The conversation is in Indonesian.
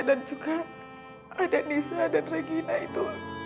dan juga ada nisa dan regina itu